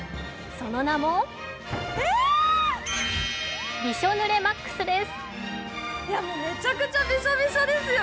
その名もびしょ濡れＭＡＸです。